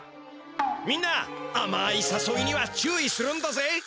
みんなあまいさそいには注意するんだぜ！